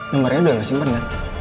nomernya udah masih bener kan